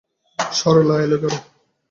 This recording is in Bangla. সরলা এল ঘরে।